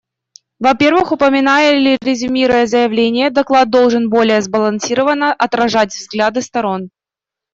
Во-первых, упоминая или резюмируя заявления, доклад должен более сбалансировано отражать взгляды сторон.